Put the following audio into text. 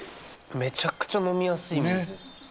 めちゃくちゃ飲みやすい水です。